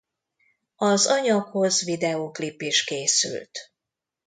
Az anyaghoz videóklip is készült.